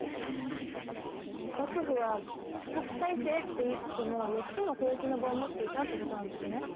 幕府は鎖国体制って言いつつも４つの交易の場を持っていたってことなんですね。